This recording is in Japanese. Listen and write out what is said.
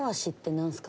何？